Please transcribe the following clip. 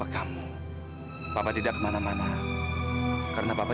kau mau apa